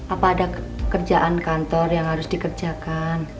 apa ada kerjaan kantor yang harus dikerjakan